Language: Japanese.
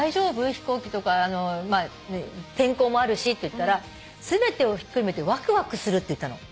飛行機とか天候もあるしって言ったら全てをひっくるめてわくわくするって言ったの。